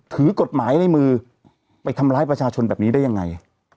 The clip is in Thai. ถือกฎหมายในมือไปทำร้ายประชาชนแบบนี้ได้ยังไง